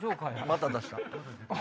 また出した。